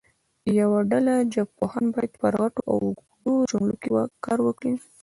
یوه ډله ژبپوهان باید پر غټو او اوږدو جملو کار وکړي.